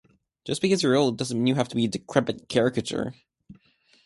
Just because you're old doesn't mean you have to be a decrepit caricature.